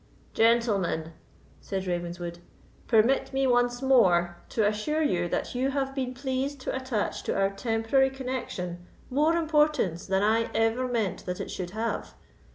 "Gentlemen," said Ravenswood, "permit me once more to assure you that you have been pleased to attach to our temporary connexion more importance than I ever meant that it should have.